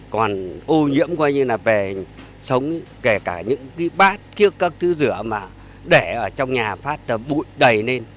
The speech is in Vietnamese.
còn ô nhiễm coi như là về sống kể cả những cái bát trước các thứ rửa mà để ở trong nhà phát ra bụi đầy lên